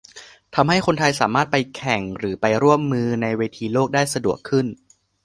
ทำให้คนไทยสามารถไปแข่งหรือไปร่วมมือในเวทีโลกได้สะดวกขึ้น